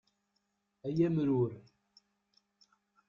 Ay amrur!